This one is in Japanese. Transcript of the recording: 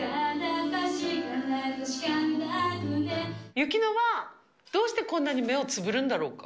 ユキノは、どうしてこんなに目をつむるんだろうか。